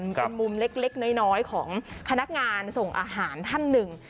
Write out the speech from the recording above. เป็นมุมเล็กน้อยของพนักงานส่งอาหารท่านหนึ่ง